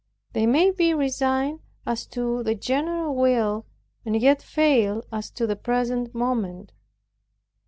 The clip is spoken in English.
They may be resigned as to the general will, and yet fail as to the present moment.